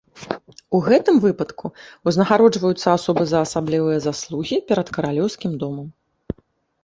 У гэтым выпадку ўзнагароджваюцца асобы за асаблівыя заслугі перад каралеўскім домам.